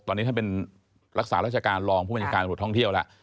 ตอนนี้เขาเป็นรักษาราชการรองผู้บรรยากาลหรือภูตรห้องเที่ยวล่ะ